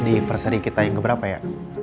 di firsty kita yang keberapa ya